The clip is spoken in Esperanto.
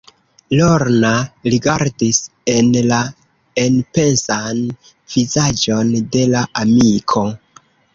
Lorna rigardis en la enpensan vizaĝon de la amiko.